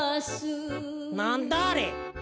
なんだあれ？